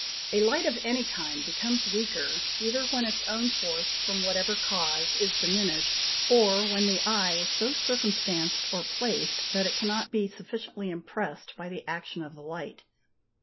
A light of any kind becomes weaker, either when its own force, from whatever cause, is diminished, or when the eye is so circumstanced or placed, that it cannot be sufficiently impressed by the action of the light.